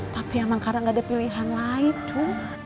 tapi emang karena gak ada pilihan lain tuh